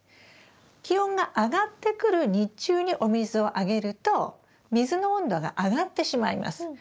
気温が上がってくる日中にお水をあげると水の温度が上がってしまいます。